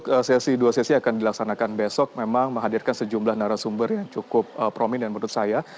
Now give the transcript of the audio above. oke sesi dua sesi akan dilaksanakan besok memang menghadirkan sejumlah narasumber yang cukup prominent menurut saya